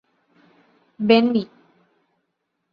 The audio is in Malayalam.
ബെന്നി